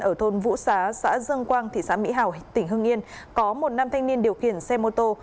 ở thôn vũ xá xã dương quang thị xã mỹ hào tỉnh hưng yên có một nam thanh niên điều khiển xe mô tô